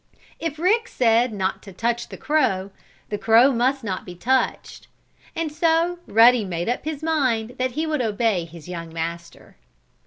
If Rick said not to touch the crow, the crow must not be touched. And so Ruddy made up his mind he would obey his young master.